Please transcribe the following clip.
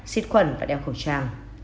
xịt quần và đeo khẩu trang